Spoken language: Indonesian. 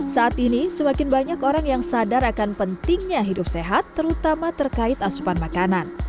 saat ini semakin banyak orang yang sadar akan pentingnya hidup sehat terutama terkait asupan makanan